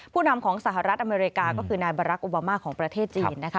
ผู้นำของสหรัฐอเมริกาก็คือนายบารักษ์โอบามาของประเทศจีนนะคะ